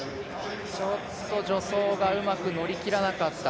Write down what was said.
ちょっと助走がうまく乗り切らなかった。